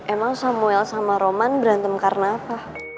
emang samuel sama roman berantem karena apa